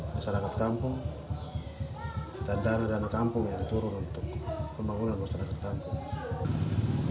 masyarakat kampung dan dana dana kampung yang turun untuk pembangunan masyarakat kampung